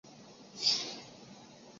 弟弟为作家武野光。